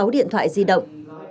sáu điện thoại di động